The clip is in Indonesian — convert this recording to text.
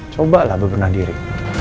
cobalah bebenah diri